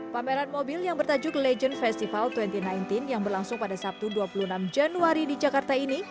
pameran mobil yang bertajuk legend festival dua ribu sembilan belas yang berlangsung pada sabtu dua puluh enam januari di jakarta ini